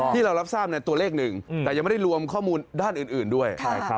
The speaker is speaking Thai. ที่เรารับทราบตัวเลขหนึ่งแต่ยังไม่ได้รวมข้อมูลด้านอื่นด้วย